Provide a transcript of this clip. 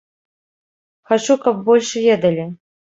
Хачу, каб больш ведалі.